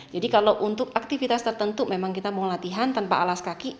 jadi kalau untuk aktivitas tertentu memang kita mau latihan tanpa alas kaki